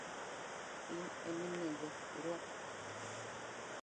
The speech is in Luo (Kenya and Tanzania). In emonego irwak wa.